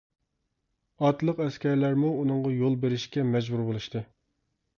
ئاتلىق ئەسكەرلەرمۇ ئۇنىڭغا يول بېرىشكە مەجبۇر بولۇشتى.